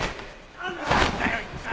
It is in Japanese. なんなんだよ一体！